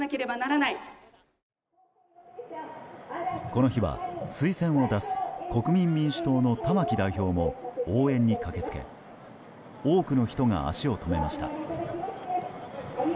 この日は、推薦を出す国民民主党の玉木代表も応援に駆け付け多くの人が足を止めました。